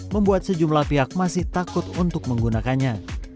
membuat sejumlah pihak masih takut untuk menggunakannya